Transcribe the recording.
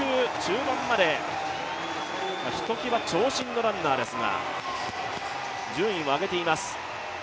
ひときわ長身のランナーですが、順位を上げています。